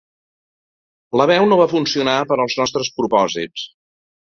La veu no va funcionar per als nostres propòsits.